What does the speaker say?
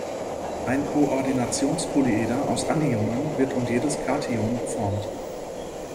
Ein Koordinationspolyeder aus Anionen wird um jedes Kation geformt.